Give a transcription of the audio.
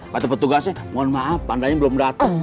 kata petugasnya mohon maaf pandanya belum dateng